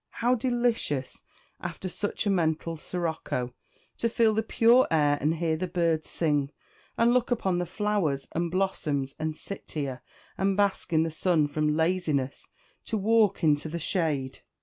"How delicious, after such a mental sirocco, to feel the pure air and hear the birds sing, and look upon the flowers and blossoms, and sit here, and bask in the sun from laziness to walk into the shade.